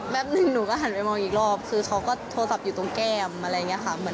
หนึ่งหนูก็หันไปมองอีกรอบคือเขาก็โทรศัพท์อยู่ตรงแก้มอะไรอย่างนี้ค่ะ